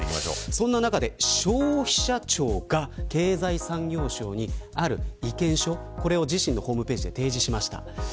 そういった中で消費者庁が経済産業省にある意見書を自身のホームページで提示しました。